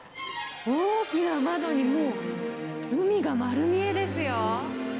大きな窓にもう、海がまる見えですよ。